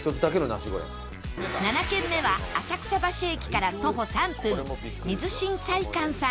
７軒目は浅草橋駅から徒歩３分水新菜館さん